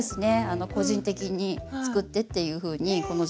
個人的に「作って」っていうふうにこの時代は言われました。